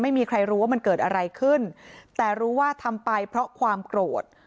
ไม่มีใครรู้ว่ามันเกิดอะไรขึ้นแต่รู้ว่าทำไปเพราะความโกรธ